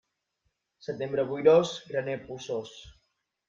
Setembre boirós, graner polsós.